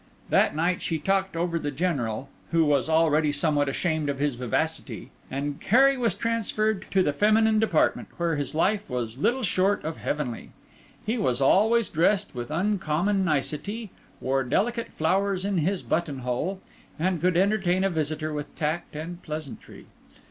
That night she talked over the General, who was already somewhat ashamed of his vivacity; and Harry was transferred to the feminine department, where his life was little short of heavenly. He was always dressed with uncommon nicety, wore delicate flowers in his button hole, and could entertain a visitor with tact and pleasantry.